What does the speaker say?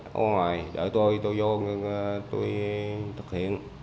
ngôn ngòi đợi tôi tôi vô tôi thực hiện